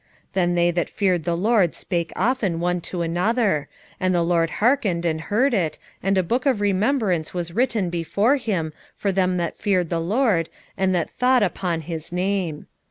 3:16 Then they that feared the LORD spake often one to another: and the LORD hearkened, and heard it, and a book of remembrance was written before him for them that feared the LORD, and that thought upon his name.